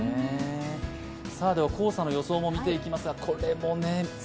黄砂の予想も見ていきますが、これもね。